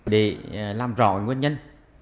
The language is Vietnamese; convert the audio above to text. để làm rõ nguyên nhân